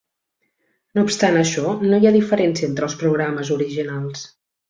No obstant això, no hi ha diferència entre els programes originals.